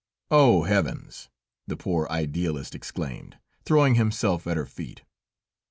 "Oh! Heavens!" the poor Idealist exclaimed, throwing himself at her feet.